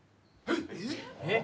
えっ！？